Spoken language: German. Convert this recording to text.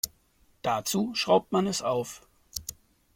Dazu schraubt man es auf.